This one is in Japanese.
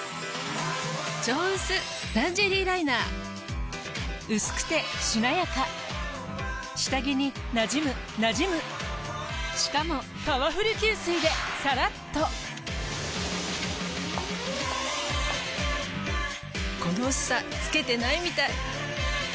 「超薄ランジェリーライナー」薄くてしなやか下着になじむなじむしかもパワフル吸水でさらっとこの薄さつけてないみたい。